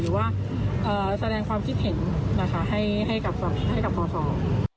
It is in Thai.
หรือว่าแสดงความพิเศษเห็นนะคะให้กับให้กับภาษณ์